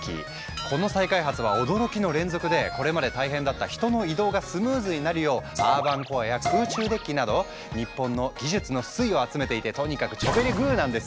この再開発は驚きの連続でこれまで大変だった人の移動がスムーズになるようアーバンコアや空中デッキなど日本の技術の粋を集めていてとにかくチョベリグなんです。